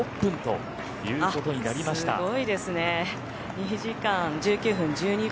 ２時間１９分１２秒。